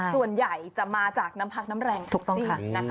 ส่วนใหญ่จะมาจากน้ำพักน้ำแรงทั้งสิบนะคะ